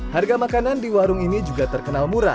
harga makanan di warung ini juga terkenal murah